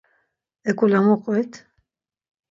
Eǩule mu qvit?